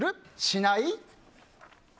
しない？